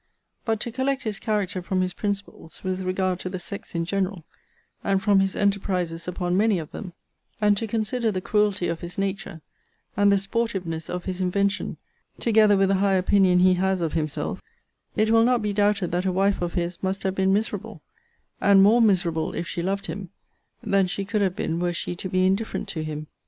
But to collect his character from his principles with regard to the sex in general, and from his enterprizes upon many of them, and to consider the cruelty of his nature, and the sportiveness of his invention, together with the high opinion he has of himself, it will not be doubted that a wife of his must have been miserable; and more miserable if she loved him, than she could have been were she to be indifferent to him.